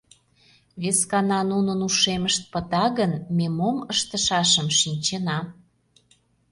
Вескана нунын ушемышт пыта гын, ме мом ыштышашым шинчена...